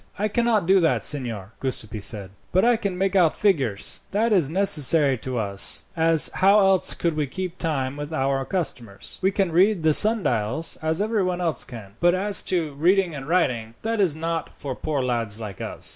"I cannot do that, signor," Giuseppi said, "but I can make out figures. That is necessary to us, as how else could we keep time with our customers? We can read the sundials, as everyone else can; but as to reading and writing, that is not for poor lads like us."